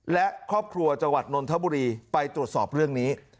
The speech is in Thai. และครอบครัวจังหวัดนนทบุรีไปตรวจสอบเรื่องนี้